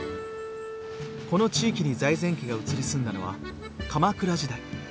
この地域に財前家が移り住んだのは鎌倉時代。